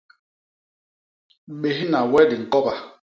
Bésna we di ñkoba.